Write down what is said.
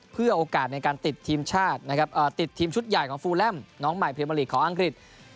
เพื่อโอกาสในการติดทีมชุดใหญ่ของฟูแลมน้องใหม่พิมพ์บริกของอังกฤษ